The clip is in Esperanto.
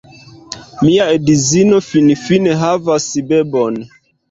Mia edzino finfine havas bebon!